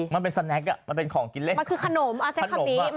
มันเป็นสเซน็กมันเป็นของกินเล็ก